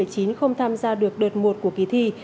không tham gia được đợt một của kỳ thi